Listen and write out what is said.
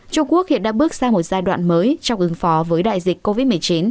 trung quốc hiện đã bước sang một giai đoạn mới trong ứng phó với đại dịch covid một mươi chín